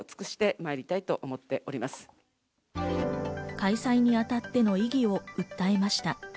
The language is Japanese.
開催に当たっての意義を訴えました。